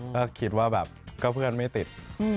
ก็คิดว่าแบบก็เพื่อนไม่ติด